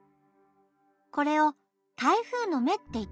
これを「台風のめ」っていってね。